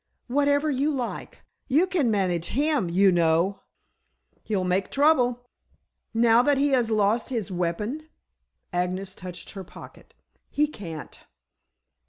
"Whatever you like. You can manage him, you know." "He'll make trouble." "Now that he has lost this weapon" Agnes touched her pocket "he can't."